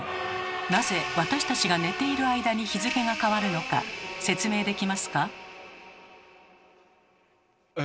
なぜ私たちが寝ている間に日付が変わるのか説明できますか？